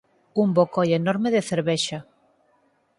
Un bocoi enorme de cervexa.